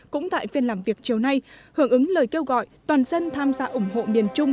cũng tại phiên làm việc chiều nay hưởng ứng lời kêu gọi toàn dân tham gia ủng hộ miền trung